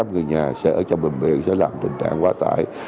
hai trăm linh ba trăm linh người nhà sẽ ở trong bệnh viện sẽ làm tình trạng quá tải